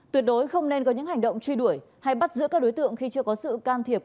tuyệt đối không nên có những hành động truy đuổi hay bắt giữ các đối tượng khi chưa có sự can thiệp